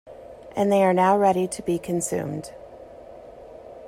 And they are now ready to be consumed.